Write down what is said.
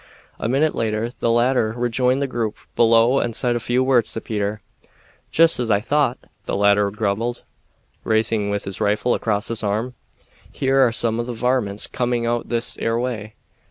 A minute later the latter rejoined the group below and said a few words to Peter. "Jest as I thought!" the latter grumbled, rising with his rifle across his arm. "Here are some of the varmints coming out this 'ere way.